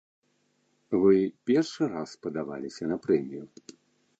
Вы першы раз падаваліся на прэмію?